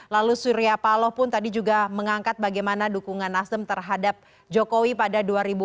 lalu surya paloh pun tadi juga mengangkat bagaimana dukungan nasdem terhadap jokowi pada dua ribu empat belas